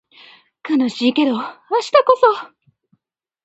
悲しいけど明日こそ